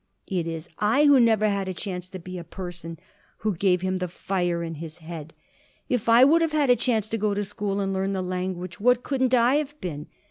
It is I, who never had a chance to be a person, who gave him the fire in his head. If I would have had a chance to go to school and learn the language, what couldn't I have been?